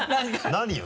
何よ？